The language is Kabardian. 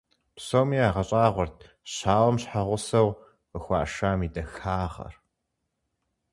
Псоми ягъэщӀагъуэрт щауэм щхьэгъусэу къыхуашам и дахагъэр.